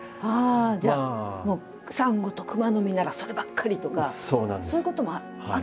じゃあサンゴとクマノミならそればっかりとかそういうこともあったりして。